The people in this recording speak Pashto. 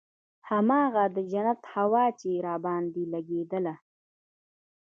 هماغه د جنت هوا چې راباندې لګېدله.